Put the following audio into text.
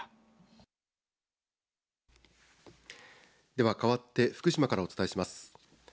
では、かわって福島からお伝えします。